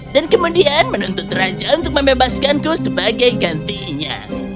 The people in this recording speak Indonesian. dan kemudian menuntut raja untuk membebaskanku sebagai gantinya